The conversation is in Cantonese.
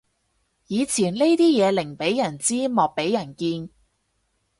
以前呢啲嘢寧俾人知莫俾人見